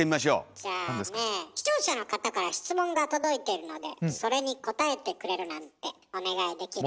じゃあね視聴者の方から質問が届いてるのでそれに答えてくれるなんてお願いできる？